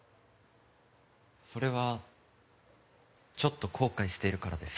それはちょっと後悔しているからです。